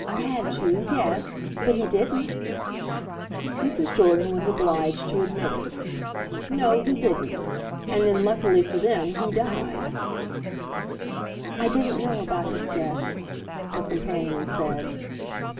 "Had to—yes. But he didn't." Mrs. Jordan was obliged to admit it. "No, he didn't. And then, luckily for them, he died." "I didn't know about his death," her companion said.